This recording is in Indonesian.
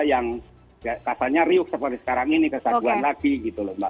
yang rasanya riuk seperti sekarang ini kesaguhan lagi gitu loh mbak